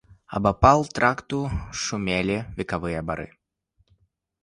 Абапал тракту шумелі векавыя бары.